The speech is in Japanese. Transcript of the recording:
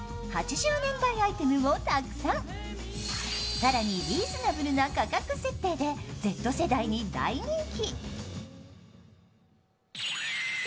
更にリーズナブルな価格設定でＺ世代に大人気。